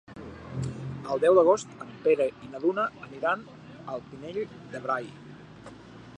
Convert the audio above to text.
El deu d'agost en Pere i na Duna aniran al Pinell de Brai.